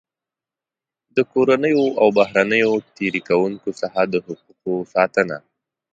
د کورنیو او بهرنیو تېري کوونکو څخه د حقوقو ساتنه.